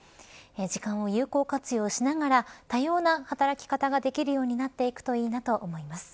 時間を有効活用しながら多様な働き方ができるようになっていくといいなと思います。